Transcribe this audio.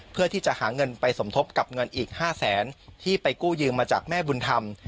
เพื่อที่จะหาเงินไปสมทบกับเงินอีก๕แสนที่ไปกู้ยืมมาจากแม่บุญธรรม